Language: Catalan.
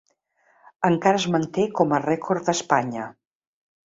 Encara es manté com a rècord d'Espanya.